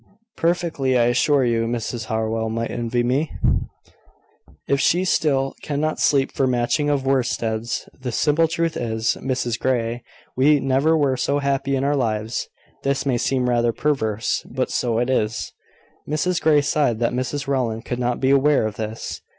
"Perfectly, I assure you. Mrs Howell might envy me, if she still `cannot sleep for matching of worsteds.' The simple truth is, Mrs Grey, we never were so happy in our lives. This may seem rather perverse; but so it is." Mrs Grey sighed that Mrs Rowland could not be aware of this.